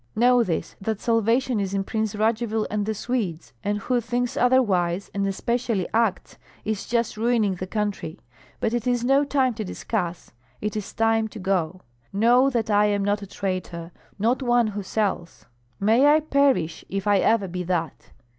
Know this, that salvation is in Prince Radzivill and the Swedes; and who thinks otherwise, and especially acts, is just ruining the country. But it is no time to discuss, it is time to go. Know that I am not a traitor, not one who sells. May I perish if I ever be that!